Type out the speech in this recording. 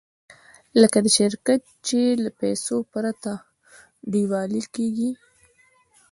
لکه د شرکت چې له پیسو پرته ډیوالي کېږي.